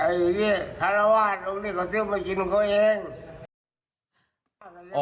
ให้ที่ขระวาสอูกนี้ก็ซื้อไปกินเขาเอง